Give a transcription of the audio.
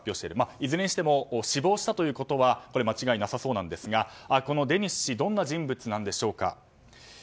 いずれにしても死亡したということは間違いなさそうなんですがこのデニス氏はどんな人物なんでしょうか。